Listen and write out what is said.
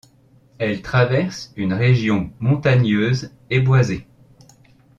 Elle traverse une région montagneuse et boisée.